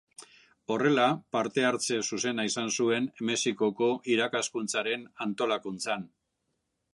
Horrela, parte-hartze zuzena izan zuen Mexikoko irakaskuntzaren antolakuntzan.